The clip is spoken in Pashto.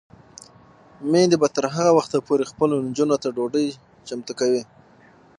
میندې به تر هغه وخته پورې خپلو نجونو ته ډوډۍ چمتو کوي.